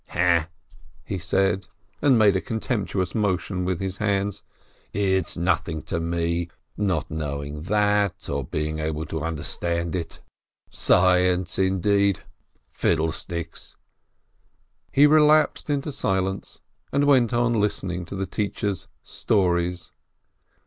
"He" (he said, and made a con temptuous motion with his hand), "it's nothing to me, not knowing that or being able to understand it! Science, indeed ! Fiddlesticks !" He relapsed into silence, and went on listening to the teacher's "stories."